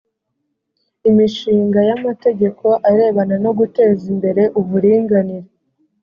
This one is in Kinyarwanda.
imishinga y’amategeko arebana no guteza imbere uburinganire